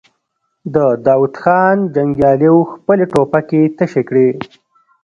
د داوود خان جنګياليو خپلې ټوپکې تشې کړې.